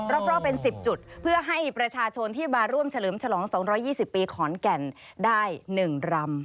รอบเป็น๑๐จุดเพื่อให้ประชาชนที่มาร่วมเฉลิมฉลอง๒๒๐ปีขอนแก่นได้๑รำ